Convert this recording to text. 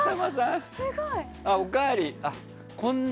おかわり？